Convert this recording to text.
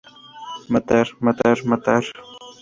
Matar, matar, matar.